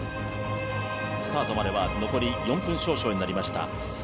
スタートまでは残り４分少々になりました。